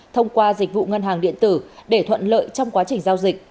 thông qua dịch vụ ngân hàng điện tử để thuận lợi trong quá trình giao dịch